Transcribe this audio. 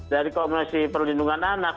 dari komunasi perlindungan anak